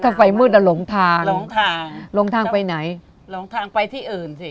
ถ้าไฟมืดอ่ะหลงทางหลงทางหลงทางไปไหนหลงทางไปที่อื่นสิ